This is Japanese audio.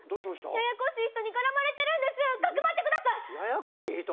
ややこしい人にからまれてるんですかくまってくださいややこしい人？